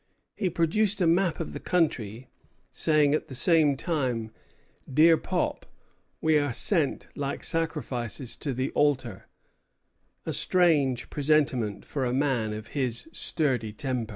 He produced a map of the country, saying at the same time: 'Dear Pop, we are sent like sacrifices to the altar,'" a strange presentiment for a man of his sturdy temper.